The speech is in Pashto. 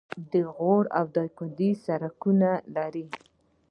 آیا غور او دایکنډي سړکونه لري؟